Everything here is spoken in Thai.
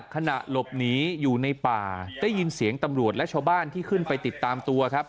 ขณะหลบหนีอยู่ในป่าได้ยินเสียงตำรวจและชาวบ้านที่ขึ้นไปติดตามตัวครับ